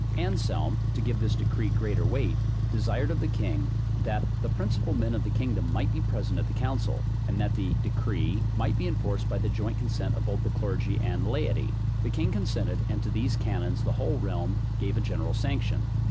Anselm, to give this decree greater weight, desired of the king, that the principal men of the kingdom might be present at the council, and that the decree might be enforced by the joint consent both of the clergy and laity; the king consented, and to these canons the whole realm gave a general sanction.